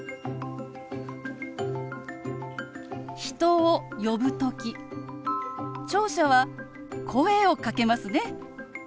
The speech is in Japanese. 人を呼ぶ時聴者は声をかけますね。